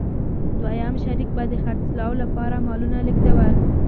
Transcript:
دویم شریک به د خرڅلاو لپاره مالونه لېږدول.